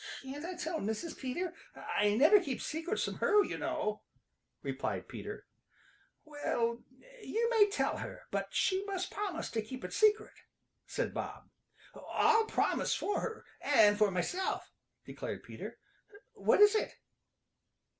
"Can't I tell Mrs. Peter? I never keep secrets from her you know," replied Peter. "Well, you may tell her, but she must promise to keep it secret," said Bob. "I'll promise for her and for myself," declared Peter. "What is it?"